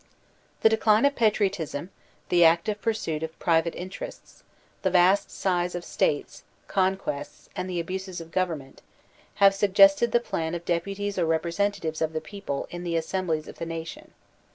The decline of patriotism, the active pursuit of private interests, the vast size of States, conquests, and the abuses of government, have suggested the plan of dep uties or representatives of the people in the assemblies of the nation.